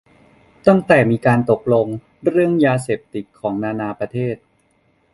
ตั้งแต่มีการตกลงกันเรื่องยาเสพติดของนานาประเทศ